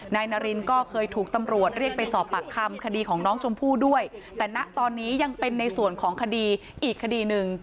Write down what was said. นายนารินก็เคยถูกตำรวจเรียกไปสอบปากคำคดีของน้องชมพู่ด้วยแต่ณตอนนี้ยังเป็นในส่วนของคดีอีกคดีหนึ่ง